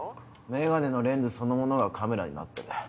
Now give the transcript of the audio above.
メガネのレンズそのものがカメラになってる。